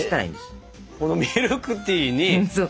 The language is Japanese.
このミルクティーに。